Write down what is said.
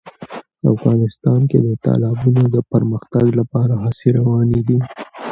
افغانستان کې د تالابونو د پرمختګ لپاره هڅې روانې دي.